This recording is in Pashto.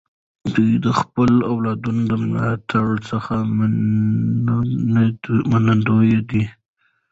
ده د خپلو والدینو د ملاتړ څخه منندوی دی.